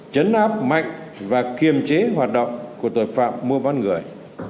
chấn áp mạnh và kiềm chế hoạt động của tội phạm mua bán người